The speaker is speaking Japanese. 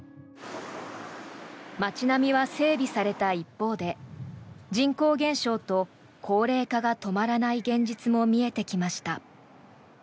街並みは整備された一方で人口減少と高齢化が止まらない現実も見えてきました。